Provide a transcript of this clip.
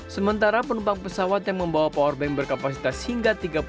sementara penumpang pesawat yang membawa powerbank berkapasitas hingga sepuluh ribu miliampere per jam